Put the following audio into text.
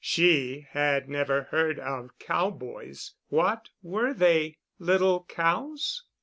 She had never heard of cowboys. What were they? Little cows?